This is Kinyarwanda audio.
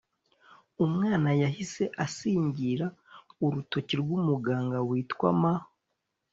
umwana yahise asingira urutoki rw’umuganga witwa M